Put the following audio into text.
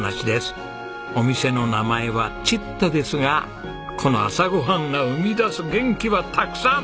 お店の名前は「ちっと」ですがこの朝ごはんが生み出す元気はたくさん！